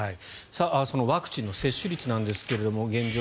そのワクチンの接種率ですが現状